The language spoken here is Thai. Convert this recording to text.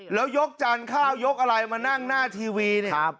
แล้วยกจานข้าวยกอะไรมานั่งหน้าทีวีเนี่ย